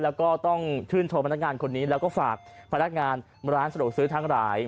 แล้วก็ต้องชื่นชมพนักงานคนนี้แล้วก็ฝากพนักงานร้านสะดวกซื้อทั้งหลาย